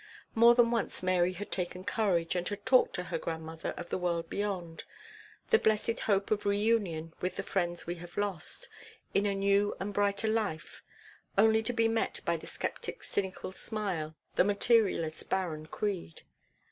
More than once Mary had taken courage, and had talked to her grandmother of the world beyond, the blessed hope of re union with the friends we have lost, in a new and brighter life, only to be met by the sceptic's cynical smile, the materialist's barren creed.